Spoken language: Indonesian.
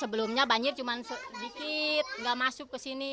sebelumnya banjir cuma sedikit nggak masuk ke sini